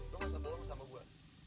lu masa dulu mau sama gue